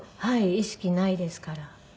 意識ないですから。